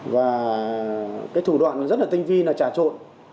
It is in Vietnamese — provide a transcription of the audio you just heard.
và cái thủ đoạn rất là tinh vi là trà trộn